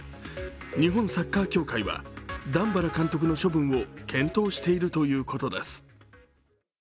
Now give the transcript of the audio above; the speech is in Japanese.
日本サッカー協会は段原監督の処分を検討しているということです。